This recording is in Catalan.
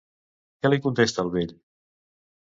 Què li contesta el vell?